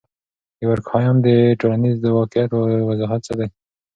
د دورکهايم د ټولنیز واقعیت وضاحت څه دی؟